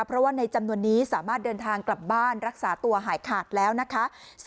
เพราะว่าในจำนวนนี้สามารถเดินทางกลับบ้านรักษาตัวหายขาดแล้วนะคะ